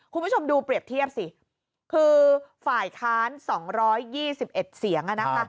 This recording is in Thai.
คุณผู้ชมดูเปรียบเทียบสิคือฝ่ายค้าน๒๒๑เสียง